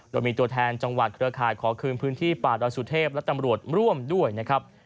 โดยมีตัวแทนจังหวัดเครือข่ายขอคืนพื้นที่ป่าดอยสุเทพและตำรวจร่วมด้วยนะครับ